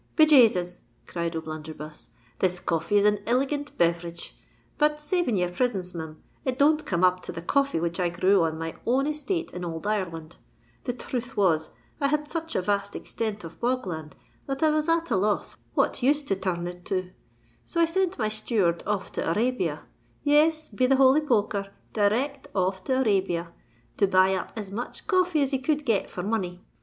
"Be Jasus!" cried O'Blunderbuss; "this coffee is an iligant beverage! But, saving your prisence, Mim, it don't come up to the coffee which I grew on my own estate in ould Ireland. The thruth was, I had such a vast extent of bog land that I was at a loss what use to tur rn it to—so I sent my steward off to Arabia,—yes, be the holy poker r, direct off to Arabia,—to buy up as much coffee as he could get for money.